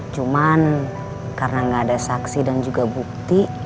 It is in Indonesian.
cuman karena nggak ada saksi dan juga bukti